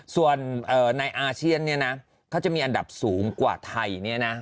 ส่วนในอาเซียนเนี่ยนะเขาจะมีอันดับสูงกว่าไทยเนี่ยนะ